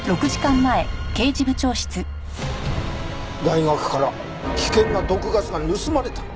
大学から危険な毒ガスが盗まれた？